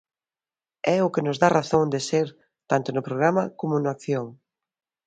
É o que nos dá razón de ser tanto no programa como no acción.